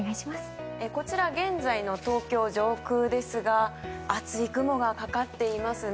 こちら現在の東京上空ですが厚い雲がかかっていますね。